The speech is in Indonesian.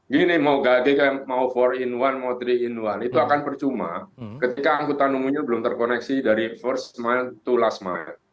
gini mau gage mau empat in satu mau tiga in satu itu akan percuma ketika angkutan umumnya belum terkoneksi dari first mile to last mile